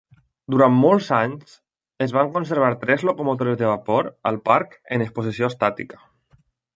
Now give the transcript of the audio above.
Durant molts anys, es van conservar tres locomotores de vapor al parc en exposició estàtica.